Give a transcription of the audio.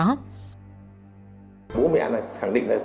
bố mẹ này khẳng định là